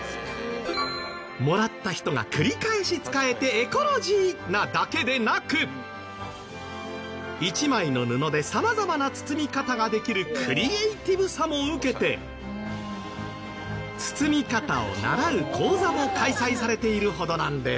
もらった人が繰り返し使えてエコロジーなだけでなく一枚の布で様々な包み方ができるクリエーティブさも受けて包み方を習う講座も開催されているほどなんです。